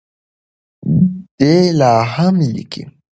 دی لا هم لیکي.